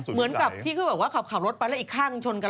เหมือนกับที่เขาบอกว่าขับรถไปแล้วอีกข้างชนกัน